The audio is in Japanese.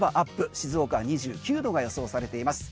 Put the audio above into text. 静岡は２９度が予想されています。